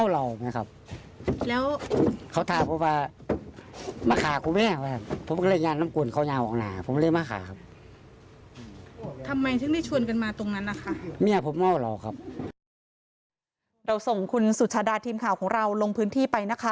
เราส่งคุณสุชาดาทีมข่าวของเราลงพื้นที่ไปนะคะ